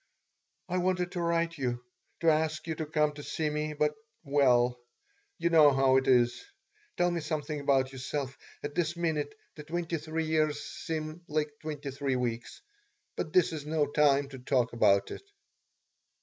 "I wanted to write you, to ask you to come to see me, but well, you know how it is. Tell me something about yourself. At this minute the twenty three years seem like twenty three weeks. But this is no time to talk about it.